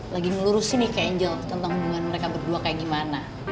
lagi ngelurusin nih ke angel tentang hubungan mereka berdua kayak gimana